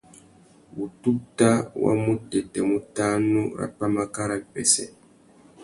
Wututa wa mutêtê mutānú râ pwámáká râ wipêssê.